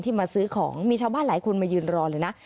มาซื้อของมีชาวบ้านหลายคนมายืนรอเลยนะ